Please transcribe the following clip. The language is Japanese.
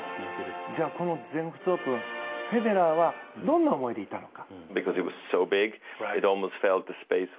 じゃあ、この全仏オープンフェデラーはどんな思いでいたのか。